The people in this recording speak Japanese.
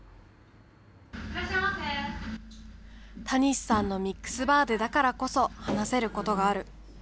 たにしさんのミックスバーでだからこそ話せることがある。